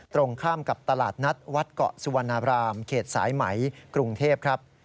ตรงข้ามกับตลาดนัดวัดเกาะสุวรรณบรามเขตสายไหมกรุงเทพครับ